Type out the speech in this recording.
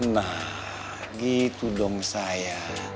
nah gitu dong saya